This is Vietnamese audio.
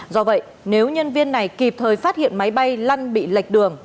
do vậy nếu nhân viên này kịp thời phát hiện máy bay lăn bị lệch đường